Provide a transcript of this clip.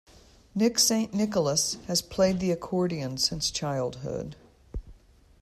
Nick Saint Nicholas has played the accordion since childhood.